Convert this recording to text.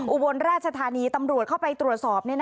อุบลราชธานีตำรวจเข้าไปตรวจสอบ